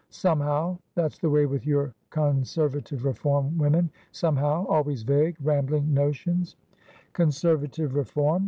"Somehow! That's the way with your conservative reform women. Somehow! Always vague, rambling notions" "Conservative reform!"